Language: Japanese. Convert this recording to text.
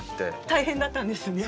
大変だったんですね。